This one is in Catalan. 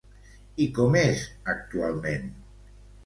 I com és, actualment?